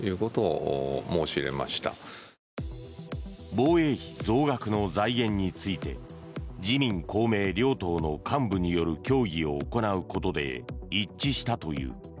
防衛費増額の財源について自民・公明両党の幹部による協議を行うことで一致したという。